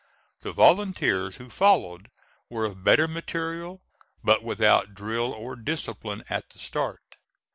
The volunteers who followed were of better material, but without drill or discipline at the start.